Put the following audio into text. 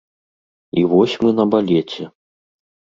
І вось мы на балеце.